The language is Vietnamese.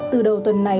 từ đầu tuần này